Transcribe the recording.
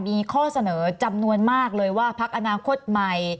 มีข้อเสนอจำนวนมากเลยว่าพักอนาคตใหม่